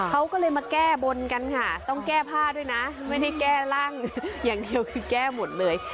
เขาก็เลยมาแก้บนกันค่ะต้องแก้ผ้าด้วยนะไม่ได้แก้ร่างอย่างเดียวคือแก้หมดเลย